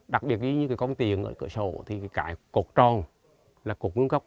đặc biệt như như cái công tiền ở cửa sổ thì cái cột tròn là cột ngưỡng gốc